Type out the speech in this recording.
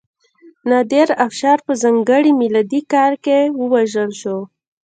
نادرافشار په ځانګړي میلادي کال کې ووژل شو.